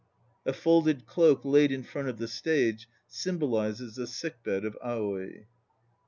(A folded cloak laid in front of the stage symbolizes the sick bed of Aoi.)